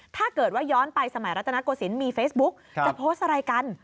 ถ้าเกิดว่าย้อนไปสมัยรัตนโกศิลป์มีเฟซบุ๊กจะโพสต์อะไรกัน